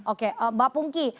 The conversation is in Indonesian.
oke mbak pungki